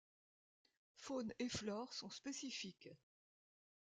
Faune et flore sont spécifiques.